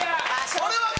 それは嫌！